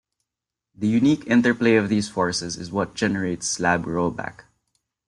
The unique interplay of these forces is what generates slab rollback.